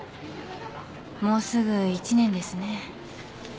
もうすぐ１年ですね。